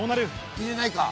入れないか。